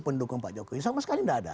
pendukung pak jokowi sama sekali tidak ada